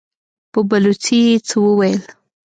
په بلوڅي يې څه وويل!